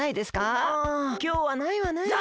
ああきょうはないわねえ。